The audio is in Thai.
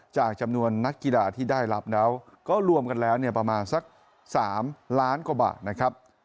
จำนวนนักกีฬาที่ได้รับแล้วก็รวมกันแล้วเนี่ยประมาณสัก๓ล้านกว่าบาทนะครับ